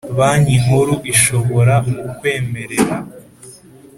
Banki nkuru ishobora mu kumwemerera